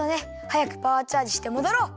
はやくパワーチャージしてもどろう！